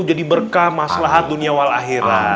jadi berkah maslahat dunia wal akhirat